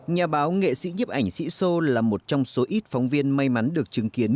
nhà báo nghệ sĩ nhấp ảnh sĩ sô là một trong số ít phóng viên may mắn được chứng kiến